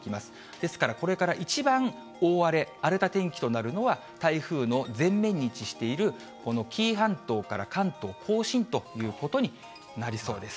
ですからこれから一番大荒れ、荒れた天気となるのは、台風の前面に位置しているこの紀伊半島から関東甲信ということになりそうです。